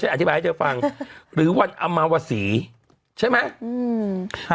ฉันอธิบายให้เจ้าฟังหรือวันอมวสีใช่ไหมอืมค่ะ